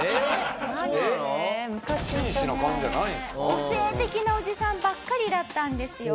個性的なおじさんばっかりだったんですよ。